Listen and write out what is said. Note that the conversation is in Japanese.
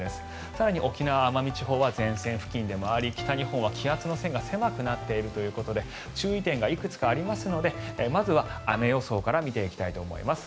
更に沖縄・奄美地方は前線付近でもあり北日本は気圧の線が狭くなっているということで注意点がいくつかありますのでまずは雨予想から見ていきたいと思います。